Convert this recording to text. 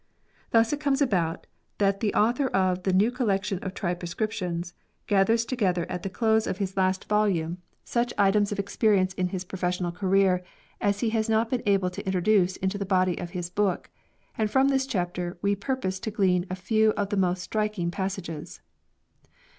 Thus it comes about that the author of the *' New Collection of Tried Pre scriptions" gathers together at the close of his last 42 MEDICAL SCIENCE. volume such items of experience in his professional career as he has not been able to introduce into the body of his book, and from this chapter we purpose to glean a few of the most striking passages.